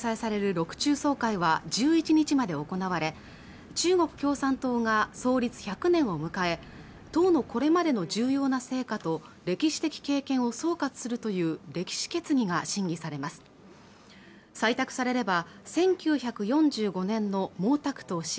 ６中総会は１１日まで行われ中国共産党が創立１００年を迎え党のこれまでの重要な成果と歴史的経験を総括するという歴史決議が審議されます採択されれば１９４５年の毛沢東氏